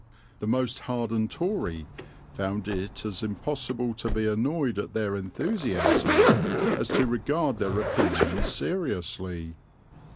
The most hardened Tory found it as impossible to be annoyed at their enthusiasm as to regard their opinions seriously.